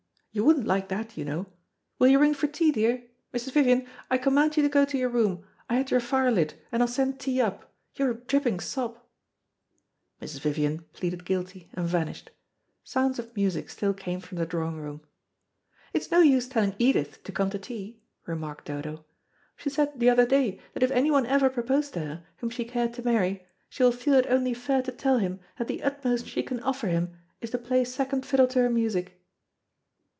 You wouldn't like that, you know. Will you ring for tea, dear? Mrs. Vivian, I command you to go to your room. I had your fire lit, and I'll send tea up. You're a dripping sop." Mrs. Vivian pleaded guilty, and vanished. Sounds of music still came from the drawing room. "It's no use telling Edith to come to tea," remarked Dodo. "She said the other day that if anyone ever proposed to her, whom she cared to marry, she will feel it only fair to tell him that the utmost she can offer him, is to play second fiddle to her music."